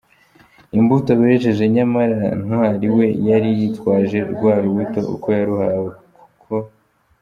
imbuto bejeje, nyamara Ntwari we yari yitwaje rwa rubuto uko yaruhawe kuko.